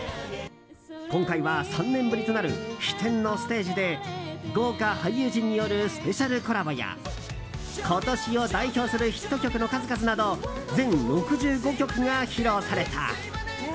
今回は３年ぶりとなる飛天のステージで豪華俳優陣によるスペシャルコラボや今年を代表するヒット曲の数々など全６５曲が披露された。